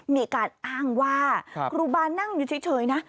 มีการอ้างว่าครูบานั่งอยู่เฉยนะ